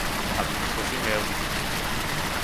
A administración é a única que se libra".